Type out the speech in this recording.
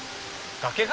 崖が？